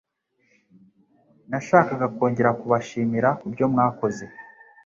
Nashakaga kongera kubashimira ku byo mwakoze.